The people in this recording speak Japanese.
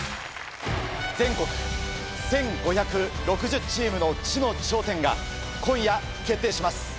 全国１５６０チームの知の頂点が今夜決定します。